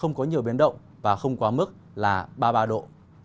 không có nhiều biến động và không quá mức là ba mươi ba độ